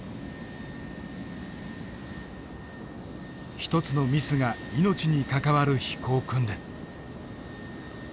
一つのミスが命に関わる飛行訓練。